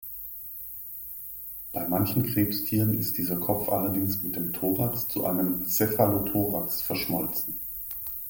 Bei manchen Krebstieren ist dieser Kopf allerdings mit dem Thorax zu einem Cephalothorax verschmolzen.